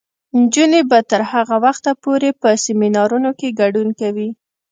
نجونې به تر هغه وخته پورې په سیمینارونو کې ګډون کوي.